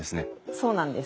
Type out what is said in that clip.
そうなんです。